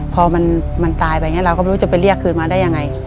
พอมันตายไปอย่างนี้เราก็ไม่รู้จะไปเรียกคืนมาได้ยังไง